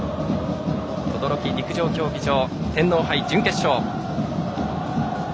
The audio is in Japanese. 等々力陸上競技場天皇杯準決勝。